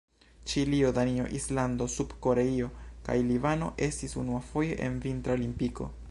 Ĉilio, Danio, Islando, Sud-Koreio kaj Libano estis unuafoje en Vintra Olimpiko.